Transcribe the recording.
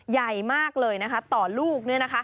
ใหญ่มากเลยต่อลูกนี้